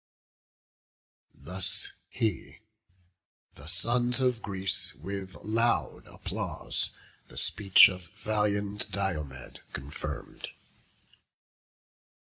Thus he; the sons of Greece, with loud applause, The speech of valiant Diomed confirm'd.